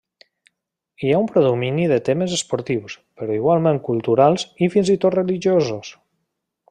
Hi ha un predomini de temes esportius, però igualment culturals i fins i tot religiosos.